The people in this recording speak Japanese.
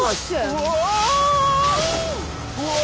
すっごい！